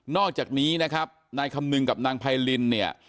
อกจากนี้นะครับนายคำนึงกับนางไพรินเนี่ย